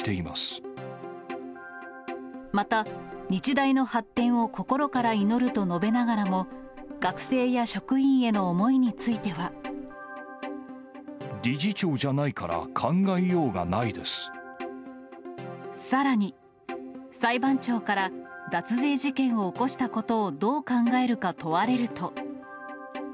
また、日大の発展を心から祈ると述べながらも、学生や職員への思いについては。理事長じゃないから考えようさらに、裁判長から、脱税事件を起こしたことをどう考えるか問われると。